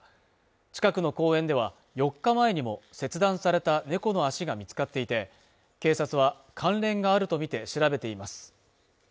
近くの公園では４日前にも切断された猫の足が見つかっていて警察は関連があるとみて調べています